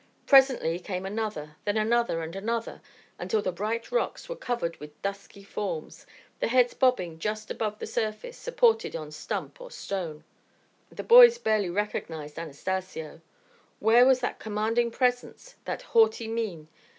Presently came another, then another, and another, until the bright rocks were covered with dusky forms, the heads bobbing just above the surface, supported on stump or stone. The boys barely recognised Anastacio. Where was that commanding presence, that haughty mien?